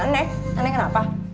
aneh aneh kenapa